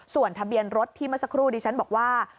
ส่วนทะเบียนรถที่เมื่อสักครู่ดิฉันบอกว่า